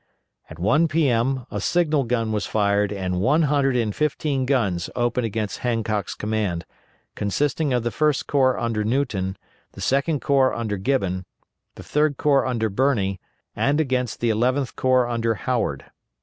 At 1 P.M., a signal gun was fired and one hundred and fifteen guns opened against Hancock's command, consisting of the First Corps under Newton, the Second Corps under Gibbon, the Third Corps under Birney, and against the Eleventh Corps under Howard.